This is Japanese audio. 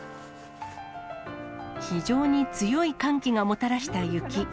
非常に強い寒気がもたらした雪。